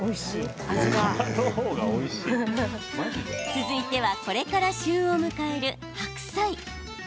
続いてはこれから旬を迎える白菜。